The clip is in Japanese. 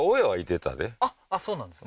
あっそうなんですね